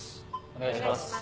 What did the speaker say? お願いします。